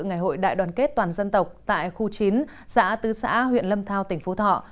ngày hội đại đoàn kết toàn dân tộc tại khu chín xã tứ xã huyện lâm thao tỉnh phú thọ